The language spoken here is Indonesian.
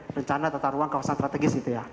rencana tetarungan kawasan strategis itu ya